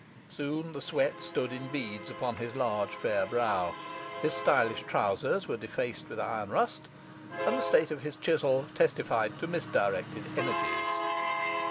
Soon the sweat stood in beads upon his large, fair brow; his stylish trousers were defaced with iron rust, and the state of his chisel testified to misdirected energies.